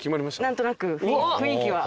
何となく雰囲気は。